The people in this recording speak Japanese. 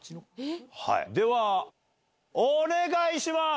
では、お願いします。